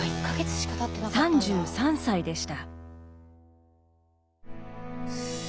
３３歳でした。